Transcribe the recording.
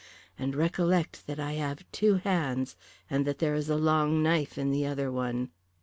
And recollect that I have two hands, and that there is a long knife in the other one."